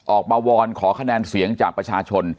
วอนขอคะแนนเสียงจากประชาชน